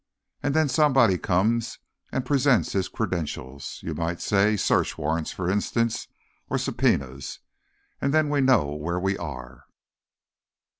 And then somebody comes and presents his credentials, you might say—search warrants, for instance, or subpoenas. And then we know where we are."